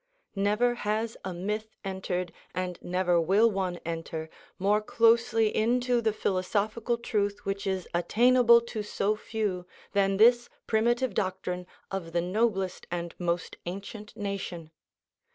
Never has a myth entered, and never will one enter, more closely into the philosophical truth which is attainable to so few than this primitive doctrine of the noblest and most ancient nation.